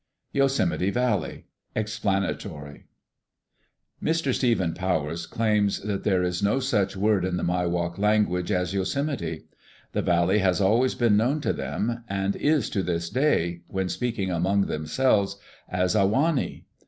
Yosemite Valley (Explanatory) (3) Mr. Stephen Powers claims that there is no such word in the Miwok language as Yosemite. The valley has always been known to them, and is to this day, when speaking among themselves, as A wa' ni.